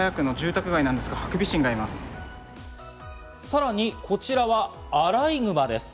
さらに、こちらはアライグマです。